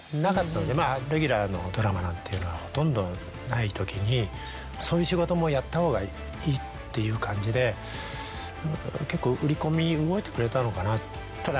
レギュラーのドラマなんていうのはほとんどないときにそういう仕事もやったほうがいいっていう感じで結構売り込み動いてくれたのかな。